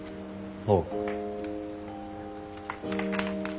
おう。